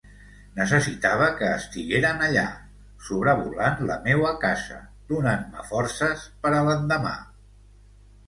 Necessitava que estigueren allà, sobrevolant la meua casa, donant-me forces per a l'endemà.